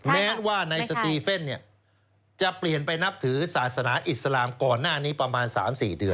แม้ว่าในสตีเฟ่นจะเปลี่ยนไปนับถือศาสนาอิสลามก่อนหน้านี้ประมาณ๓๔เดือน